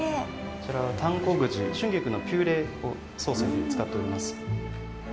こちら丹後ぐじ春菊のピューレをソースに使っております。